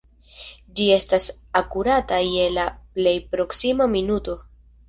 Ĝi estas akurata je la plej proksima minuto.